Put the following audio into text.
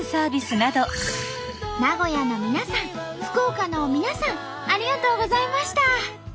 名古屋の皆さん福岡の皆さんありがとうございました！